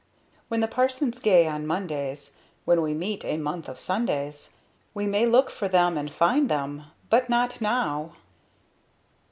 When the parson's gay on Mondays, When we meet a month of Sundays, We may look for them and find them But Not Now!